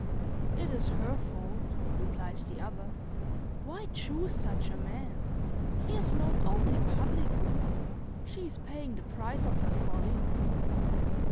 "It is her fault," replied the other; "why choose such a man? He has known only public women; she is paying the price of her folly."